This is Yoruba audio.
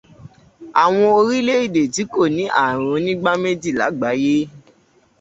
Àwọn orílẹ́-èdè tí kò ní ààrùn onígbáméjì lágbàáyé.